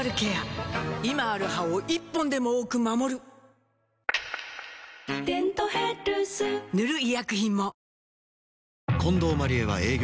今ある歯を１本でも多く守る「デントヘルス」塗る医薬品も